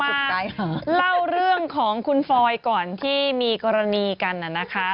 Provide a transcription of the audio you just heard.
ถูกต้องเล่าเรื่องของคุณฟอยก่อนที่มีกรณีกันน่ะนะคะ